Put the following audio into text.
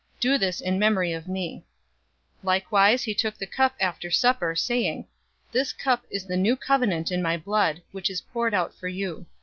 Do this in memory of me." 022:020 Likewise, he took the cup after supper, saying, "This cup is the new covenant in my blood, which is poured out for you.